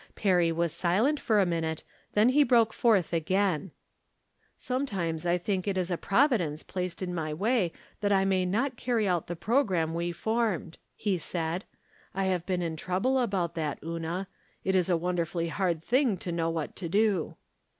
Perry was silent for a minute, then he broke forth again :" Sometimes I think it is a providence placed in my way that I may not carry out the pro gramme we formed," he said. " I have been in trouble about that, Una. It is a wonderfully hard thing to know what to do."